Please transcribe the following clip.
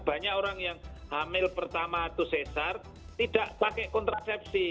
banyak orang yang hamil pertama itu cesar tidak pakai kontrasepsi